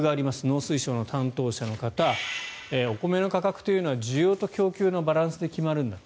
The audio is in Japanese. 農水省の担当者の方米の価格というのは需要と供給のバランスで決まるんだ。